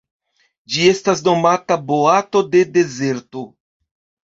Ĝi estas nomata boato de dezerto.